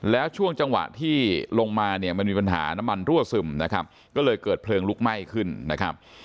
แล้วช่วงจังหวะที่ลงมาเนี่ยมันมีปัญหาน้ำมันรั่วซึมนะครับก็เลยเกิดเพลิงลุกไหม้ขึ้นนะครับ